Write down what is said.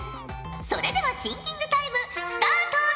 それではシンキングタイムスタート！